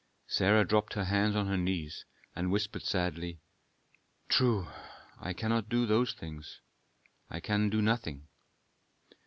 Sarah dropped her hands on her knees, and whispered sadly, "True, I cannot do those things I can do nothing."